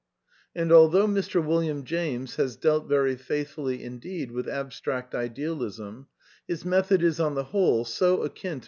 And although Mr. Wil liam James has dealt very faithfully indeed with Abstract Idealism, his method is, on the whole, so akin to M.